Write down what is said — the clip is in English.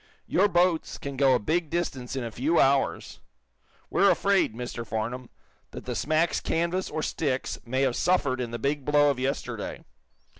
Your boats can go a big distance in a few hours. We're afraid, Mr. Farnum, that the smack's canvas or sticks may have suffered in the big blow of yesterday.